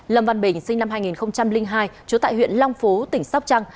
lâm văn bình sinh năm hai nghìn hai trú tại huyện long phú tỉnh sóc trăng